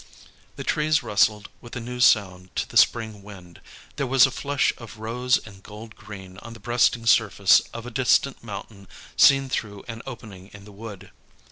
The trees rustled with a new sound to the spring wind; there was a flush of rose and gold green on the breasting surface of a distant mountain seen through an opening in the wood.